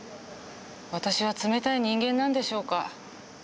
私は冷たい人間なんでしょうか。